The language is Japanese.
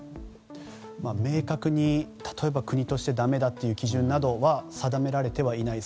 明確に例えば国としてだめだという基準などは定められてはいない。